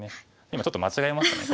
今ちょっと間違えましたね。